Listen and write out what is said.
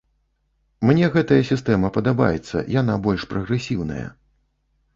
Мне гэтая сістэма падабаецца, яна больш прагрэсіўная.